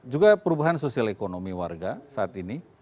juga perubahan sosial ekonomi warga saat ini